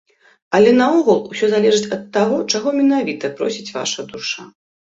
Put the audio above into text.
Але наогул, усё залежыць ад таго, чаго менавіта просіць ваша душа.